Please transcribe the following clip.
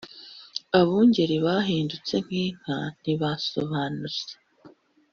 Abungeri bahindutse nk inka ntibasobanuza